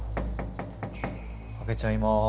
開けちゃいます。